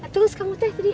terus kamu teh